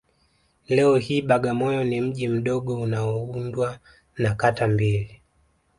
Leo hii Bagamoyo ni mji mdogo unaoundwa na kata mbili